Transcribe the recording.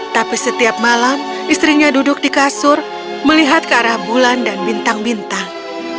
tapi setiap malam istrinya duduk di kasur melihat ke arah bulan dan bintang bintang